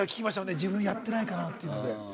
自分やってないかなっていうので。